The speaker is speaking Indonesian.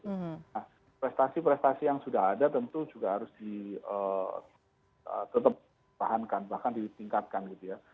nah prestasi prestasi yang sudah ada tentu juga harus tetap tahankan bahkan ditingkatkan gitu ya